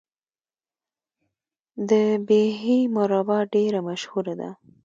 د بیحي مربا ډیره مشهوره ده.